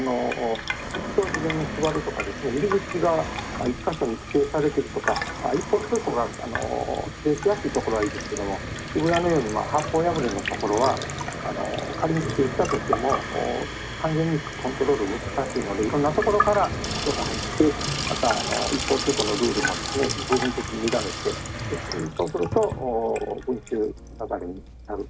チケットを事前に配るとか入り口が１か所に規制されているとか一方通行がしやすいところはいいですけど渋谷のように八方破れのところは仮に規制したとしても完全にコントロールが難しいので色んなところから人が入ってまた一方通行のルールも部分的に乱れてそうすると、群集雪崩になる。